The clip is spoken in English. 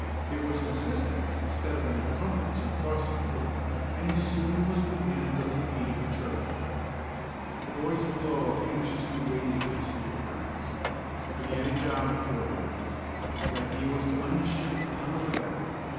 It was an assistance instead of an incumbrance in crossing the roof, and he soon was within a dozen feet of the turret. The boys below anxiously waited for his reappearance. But he had a job before him. His idea was to unship the tongue of the bell.